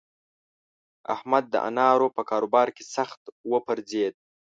احمد د انارو په کاروبار کې سخت وپرځېد.